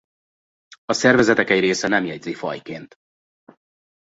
A szervezetek egy része nem jegyzi fajként.